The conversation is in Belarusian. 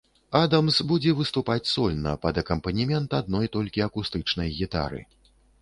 Адамс будзе выступаць сольна, пад акампанемент адной толькі акустычнай гітары.